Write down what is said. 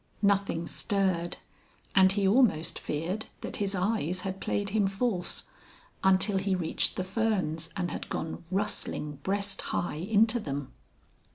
Nothing stirred, and he almost feared that his eyes had played him false, until he reached the ferns and had gone rustling breast high into them.